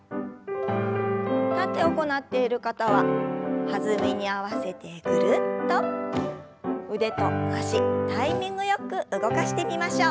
立って行っている方は弾みに合わせてぐるっと腕と脚タイミングよく動かしてみましょう。